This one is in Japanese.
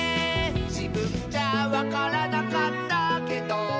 「じぶんじゃわからなかったけど」